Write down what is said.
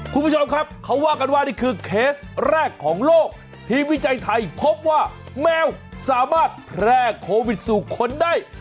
คุณผู้ชมครับเขาว่ากันว่านี่คือเคสแรกของโลกทีมวิจัยไทยพบว่าแมวสามารถแพร่โควิดสู่คนได้